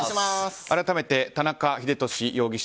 改めて、田中英寿容疑者